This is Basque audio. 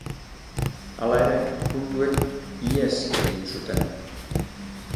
Hala ere, puntuek ihes egin zuten.